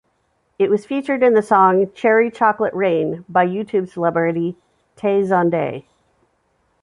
It was featured in the song "Cherry Chocolate Rain" by YouTube celebrity Tay Zonday.